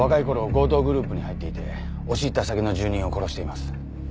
強盗グループに入っていて押し入った先の住人を殺しています。